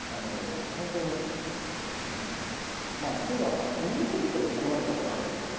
本当にあのまあ手が見え過ぎて困る方みたいですよ。